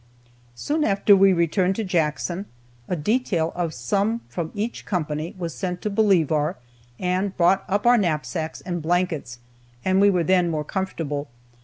Soon after we returned to Jackson a detail of some from each company was sent to Bolivar and brought up our knapsacks and blankets, and we were then more comfortable.